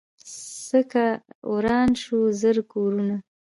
څه که وران دي زر کورونه